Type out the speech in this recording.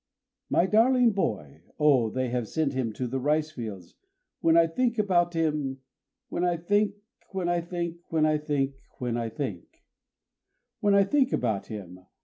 My darling boy! Oh! they have sent him to the ricefields! When I think about him, When I think, When I think, When I think, When I think, When I think about him!